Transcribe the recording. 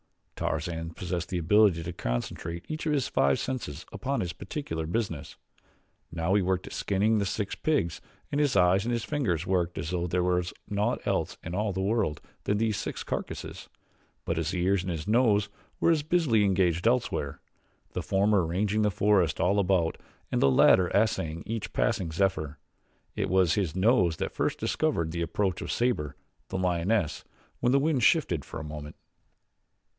Tarzan possessed the ability to concentrate each of his five senses upon its particular business. Now he worked at skinning the six pigs and his eyes and his fingers worked as though there was naught else in all the world than these six carcasses; but his ears and his nose were as busily engaged elsewhere the former ranging the forest all about and the latter assaying each passing zephyr. It was his nose that first discovered the approach of Sabor, the lioness, when the wind shifted for a moment.